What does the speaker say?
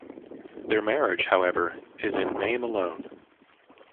Their marriage, however, is in name alone.